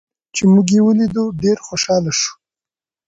چې موږ یې ولیدو، ډېر خوشحاله شو.